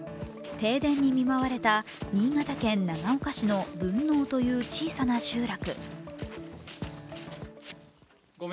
停電に見舞われた新潟県長岡市の文納という小さな集落。